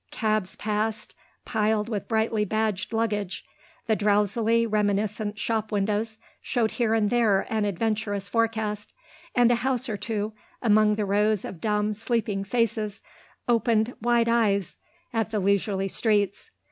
Cabs passed, piled with brightly badged luggage; the drowsily reminiscent shop windows showed here and there an adventurous forecast, and a house or two, among the rows of dumb, sleeping faces, opened wide eyes at the leisurely streets.